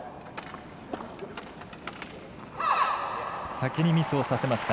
先にミスをさせました。